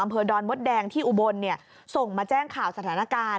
อำเภอดรมดแดงที่อุบลนี่ส่งมาแจ้งข่าวสถานการณ์